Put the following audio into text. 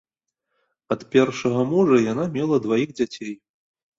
Ад першага мужа яна мела дваіх дзяцей.